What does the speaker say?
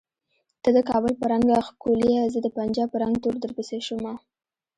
ته د کابل په رنګه ښکولیه زه د پنجاب په رنګ تور درپسې شومه